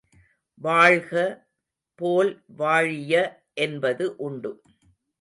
வாழ்க போல் வாழிய என்பது உண்டு.